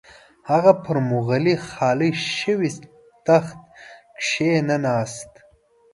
هغه پر مغولو خالي شوي تخت کښې نه ناست.